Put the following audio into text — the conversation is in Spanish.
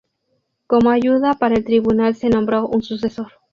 Como ayuda para el tribunal se nombró un asesor.